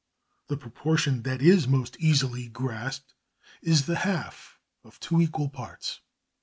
The proportion that is most easily grasped is the half two equal parts.